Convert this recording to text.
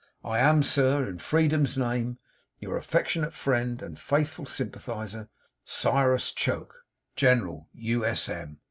'"I am, sir, in Freedom's name, '"Your affectionate friend and faithful Sympathiser, '"CYRUS CHOKE, '"General, U.S.M."